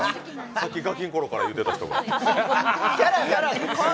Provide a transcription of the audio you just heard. さっきガキん頃からと言ってた人が。